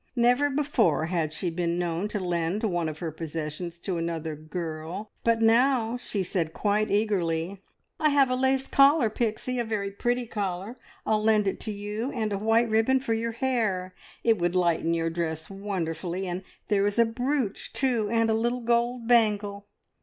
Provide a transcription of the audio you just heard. Never before had she been known to lend one of her possessions to another girl, but now she said quite eagerly "I have a lace collar, Pixie a very pretty collar I'll lend it to you, and a white ribbon for your hair! It would lighten your dress wonderfully; and there is a brooch too, and a little gold bangle."